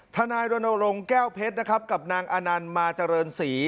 ทนายรณรงค์แก้วเพชรนะครับกับนางอนันต์มาเจริญศรี